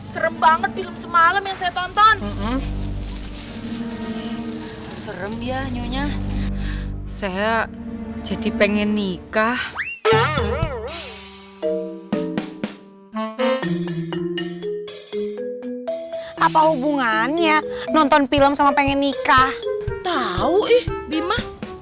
sampai jumpa di video selanjutnya